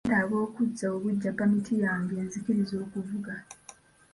Neetaaga okuzza obuggya pamiti yange enzikiriza okuvuga.